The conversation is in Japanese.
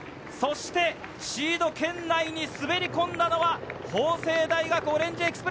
そしてシード圏内に滑り込んだのは法政大学。